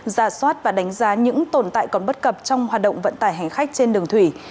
giả soát và đánh giá những tồn tại còn bất cập trong hoạt động vận tải hành khách trên đường thủy